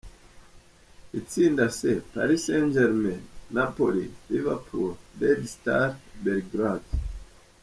Itsinda C: Paris St-Germain, Napoli, Liverpool, Red Star Belgrade.